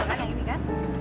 aku mau nunggu nunggu